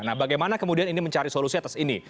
nah bagaimana kemudian ini mencari solusi atas ini